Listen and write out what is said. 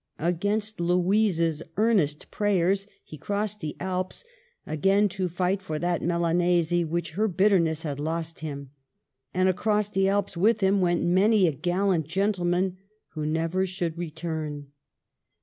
Against Louisa's earnest prayers he crossed the Alps, again to fight for that Milanese which her bitterness had lost him; and across the Alps with him went many a gallant gentleman who never should return.